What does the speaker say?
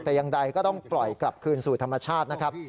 แต่ยังใดก็ต้องปล่อยกลับคืนสู่ธรรมชาตินะครับ